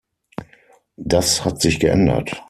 Das hat sich geändert.